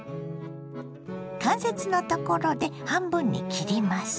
関節のところで半分に切ります。